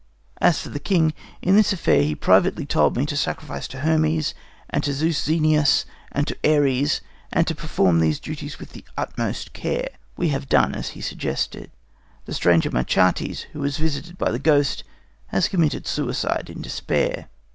As for the King, in this affair, he privately told me to sacrifice to Hermes, and to Zeus Xenius, and to Ares, and to perform these duties with the utmost care. We have done as he suggested. "The stranger Machates, who was visited by the ghost, has committed suicide in despair.